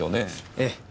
ええ。